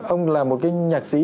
ông là một cái nhạc sĩ